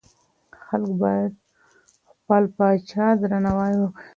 خلګ بايد د خپل پاچا درناوی وکړي.